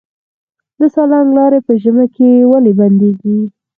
د سالنګ لاره په ژمي کې ولې بندیږي؟